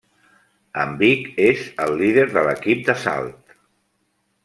En Vic és el líder de l'equip d'assalt.